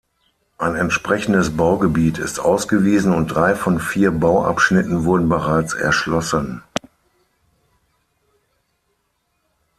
Ein entsprechendes Baugebiet ist ausgewiesen und drei von vier Bauabschnitten wurden bereits erschlossen.